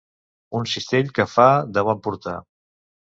Un cistell que fa de bon portar.